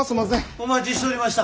お待ちしておりました。